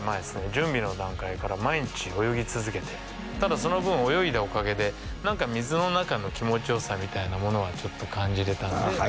準備の段階から毎日泳ぎ続けてただその分泳いだおかげで何か水の中の気持ちよさみたいなものは感じれたんでなあ